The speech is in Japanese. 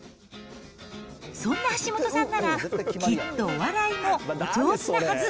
そんな橋下さんなら、きっとお笑いもお上手なはず。